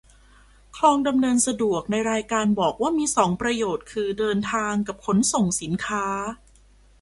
คลองดำเนินสะดวก ในรายการบอกว่ามีสองประโยชน์คือ เดินทาง กับ ขนสินค้า